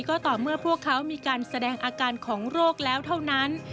ก็ต่อเมื่อพวกเขามีการแสดงอาการของโรคแล้วเท่านั้น